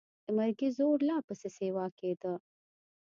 د مرګي زور لا پسې سیوا کېده.